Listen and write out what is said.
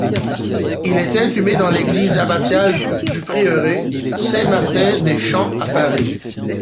Il est inhumé dans l'église abbatiale du prieuré Saint-Martin-des-Champs à Paris.